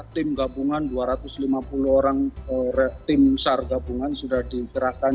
tim gabungan dua ratus lima puluh orang tim sar gabungan sudah dikerahkan